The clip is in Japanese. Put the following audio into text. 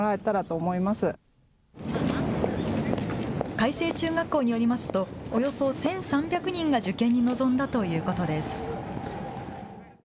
開成中学校によりますとおよそ１３００人が受験に臨んだということです。